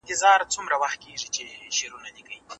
واکسین د وبا د خپرېدو مخنیوی کوي.